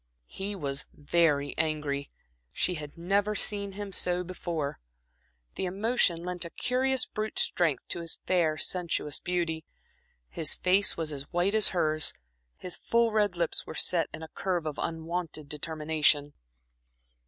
He was very angry; she had never seen him so before. The emotion lent a curious brute strength to his fair, sensuous beauty. His face was as white as hers, his full red lips were set in a curve of unwonted determination.